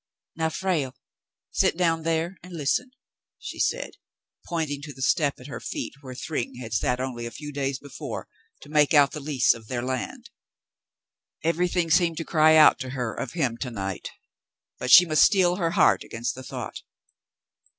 "Now, Frale, sit down there and listen," she said, pointing to the step at her feet where Thryng had sat only a few days before to make out the lease of their land. Everything seemed to cry out to her of him to night, but she must steel her heart against the thought.